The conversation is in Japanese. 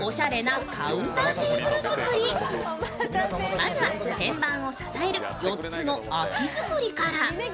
まずは天板を支える４つの脚作りから。